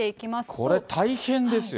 これ大変ですよ。